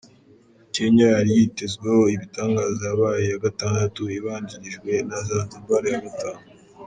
Kenya yari yitezweho ibitangaza yabaye iya gatandatu ibanjirijwe na Zanzibar ya gatanu.